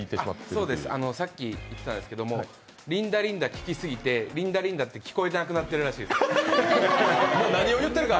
そうです、さっき言ってたんですけど、リンダリンダ聴きすぎてリンダリンダが聞こえなくなったらしいです。